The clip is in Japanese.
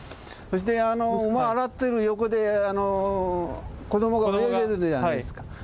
そしてあの馬洗ってる横で子どもが泳いでるじゃないですか。